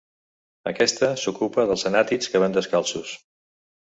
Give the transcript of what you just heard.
Aquesta s'ocupa dels anàtids que van descalços.